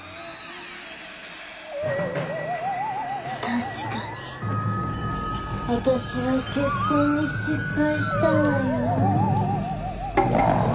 確かに私は結婚に失敗したわよ。